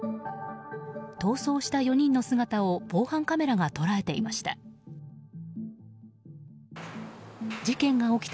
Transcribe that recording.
逃走した４人の姿を防犯カメラが捉えていました。